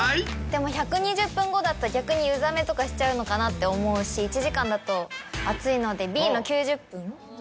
でも１２０分後だと逆に湯冷めとかしちゃうのかなって思うし１時間だと暑いので。